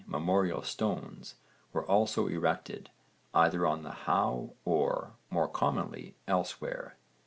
memorial stones, were also erected, either on the how or, more commonly, elsewhere.